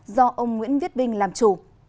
do ông nguyễn viết bình làm chủ